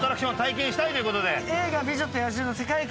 映画『美女と野獣』の世界観